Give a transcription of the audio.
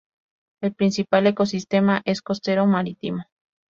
El principal ecosistema es costero marítimo.